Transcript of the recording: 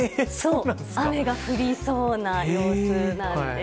雨が降りそうな様子なんです。